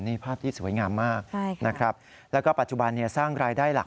นี่ภาพที่สวยงามมากนะครับแล้วก็ปัจจุบันสร้างรายได้หลัก